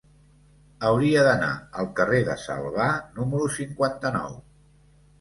Hauria d'anar al carrer de Salvà número cinquanta-nou.